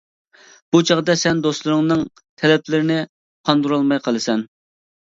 بۇ چاغدا سەن دوستلىرىڭنىڭ تەلەپلىرىنى قاندۇرالماي قالىسەن.